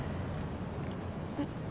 えっ？